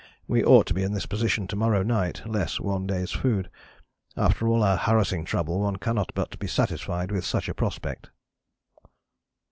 We ought to be in this position to morrow night, less one day's food. After all our harassing trouble one cannot but be satisfied with such a prospect."